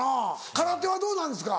空手はどうなんですか？